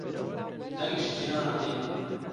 deng ji cîranan tê